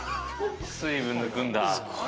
水分、抜くんだ。